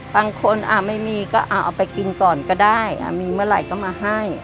บางคนไม่มีก็เอาไปกินก่อนก็ได้มีเมื่อไหร่ก็มาให้